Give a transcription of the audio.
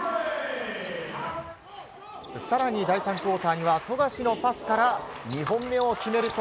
更に第３クオーターには富樫のパスから２本目を決めると。